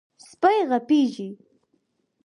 سپي غپېږي.